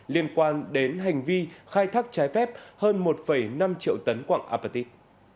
liên quan đến hành vi khai thác trái phép hơn một năm triệu tấn quạng apatit